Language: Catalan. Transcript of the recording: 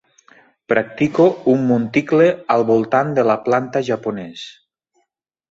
Practico un monticle al voltant de la planta japonès.